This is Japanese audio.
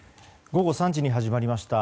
午後３時に始まりました。